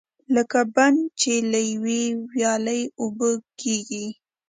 لکه بڼ چې له یوې ویالې اوبه کېږي.